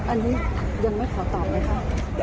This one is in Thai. อันนี้ยังไม่ขอตอบเลยค่ะ